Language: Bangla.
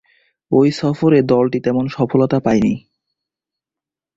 ঐ সফরে দলটি তেমন সফলতা পায়নি।